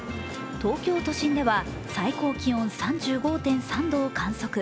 東京都心では最高気温３５．５度を観測。